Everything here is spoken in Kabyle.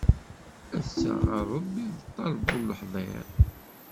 Ad ttreɣ ɣer Ṛebbi, d ṭṭaleb uleḥḍir.